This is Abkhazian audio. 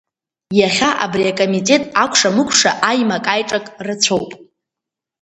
Иахьа абри акомитет акәша-мыкәша аимак-аиҿак рацәоуп.